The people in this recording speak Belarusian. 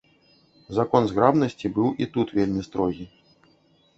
Закон зграбнасці быў і тут вельмі строгі.